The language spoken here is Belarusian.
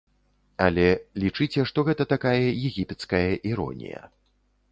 Але лічыце, што гэта такая егіпецкая іронія.